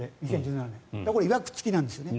いわく付きなんですね。